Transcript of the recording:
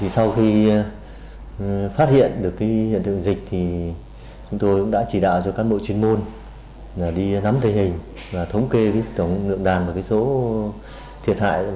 sau khi phát hiện được dịch chúng tôi đã chỉ đạo cho các bộ chuyên môn đi nắm thể hình và thống kê tổng lượng đàn và số thiệt hại